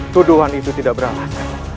tuduhan itu tidak beranak